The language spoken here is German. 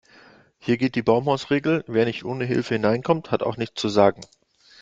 Hier gilt die Baumhausregel: Wer nicht ohne Hilfe hineinkommt, hat auch nichts zu sagen.